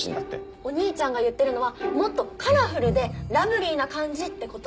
お兄ちゃんが言ってるのはもっとカラフルでラブリーな感じってこと。